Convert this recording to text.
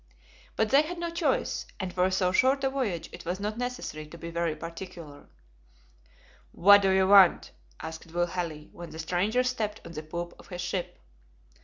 But they had no choice, and for so short a voyage it was not necessary to be very particular. "What do you want?" asked Will Halley, when the strangers stepped on the poop of his ship.